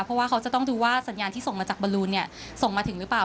เพราะว่าเขาจะต้องดูว่าสัญญาณที่ส่งมาจากบอลลูนเนี่ยส่งมาถึงหรือเปล่า